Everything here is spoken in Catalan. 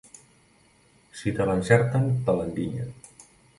Si te l'encerten, te l'endinyen.